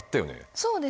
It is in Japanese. そうですね。